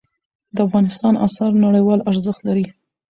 د افغانستان آثار نړیوال ارزښت لري.